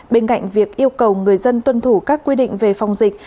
bên cạnh việc yêu cầu người dân tuân thủ các quy định về phòng dịch